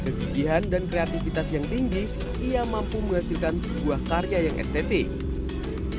kegigihan dan kreativitas yang tinggi ia mampu menghasilkan sebuah karya yang estetik